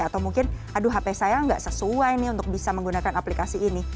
atau mungkin aduh hp saya nggak sesuai nih untuk bisa menggunakan aplikasi ini